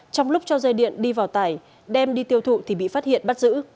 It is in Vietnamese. trong lúc cho dây điện đi vào tải đem đi tiêu thụ thì bị phát hiện bắt giữ